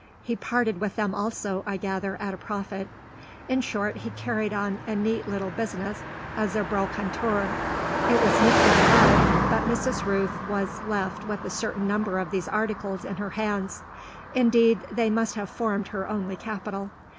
He parted with them also, I gather, at a profit; in short he carried on a neat little business as a brocanteur. It was nipped in the bud, but Mrs. Rooth was left with a certain number of these articles in her hands; indeed they must have formed her only capital.